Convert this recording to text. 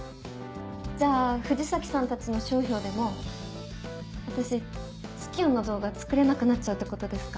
じゃあ藤崎さんたちの商標でも私ツキヨンの動画作れなくなっちゃうってことですか？